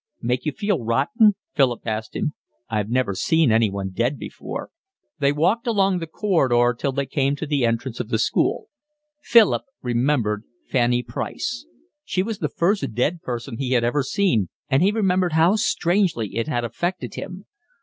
"Make you feel rotten?" Philip asked him. "I've never seen anyone dead before." They walked along the corridor till they came to the entrance of the school. Philip remembered Fanny Price. She was the first dead person he had ever seen, and he remembered how strangely it had affected him.